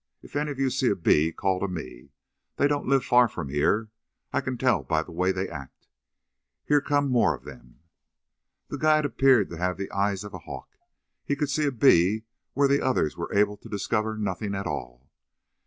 If any of you sees a bee, call to me. They don't live far from here. I can tell by the way they act. Here come more of them." The guide appeared to have the eyes of a hawk. He could see a bee where the others were able to discover nothing at all.